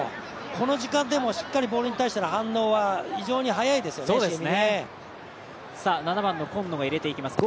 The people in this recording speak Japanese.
この時間でもしっかりボールに対しての反応は非常に早いですよね、重見。